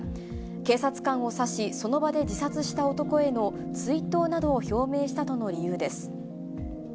警察官を刺し、その場で自殺した男への追悼などを表明したとの理由です。